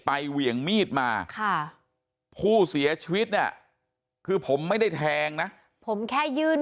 เหวี่ยงมีดมาค่ะผู้เสียชีวิตเนี่ยคือผมไม่ได้แทงนะผมแค่ยื่น